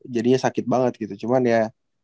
jadinya sakit banget gitu cuman ya